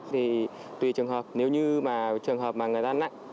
thì tùy trường hợp nếu như mà trường hợp mà người ta nặng